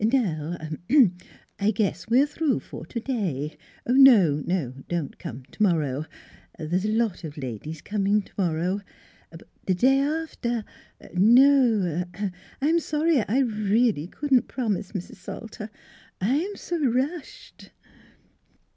... Now I guess we're through for to day. ... No; don't come t' morrow. The's a lot o' ladies coming in t' morrow; but the day after. ... No; I'm sorry but I really couldn't promise, Mis' Salter. I'm s' rushed."